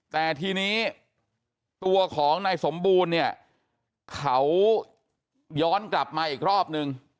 แต่ทีนี้ตัวของนายสมบูรณ์เนี่ยเขาย้อนกลับมาอีกรอบนึง